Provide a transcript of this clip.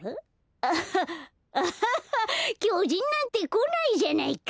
アハッアハハッきょじんなんてこないじゃないか！